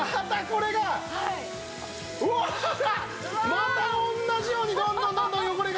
また同じようにどんどんどんどん汚れが。